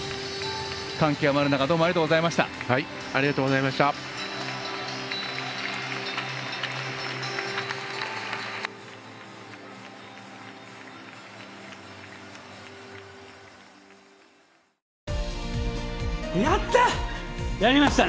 感極まる中どうもありがとうございました。